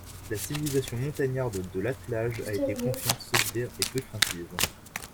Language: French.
La civilisation montagnarde de l'attelage a été confiante, solidaire et peu craintive.